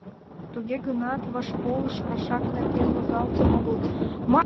Туге гынат вашполыш кашак нерген возалтын огыл.